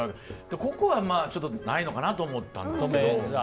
ここはちょっとないのかなと思ったんですけど。